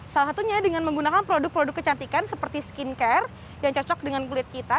salah satunya dengan menggunakan produk produk kecantikan seperti skincare yang cocok dengan kulit kita